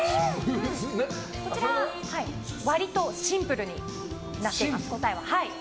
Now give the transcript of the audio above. こちらは、答えが割とシンプルになってます。